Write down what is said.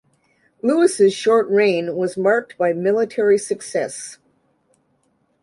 Louis's short reign was marked by military success.